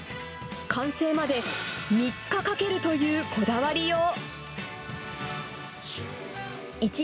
完成まで３日かけるというこだわりよう。